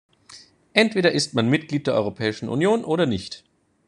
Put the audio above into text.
Entweder ist man Mitglied der Europäischen Union oder nicht.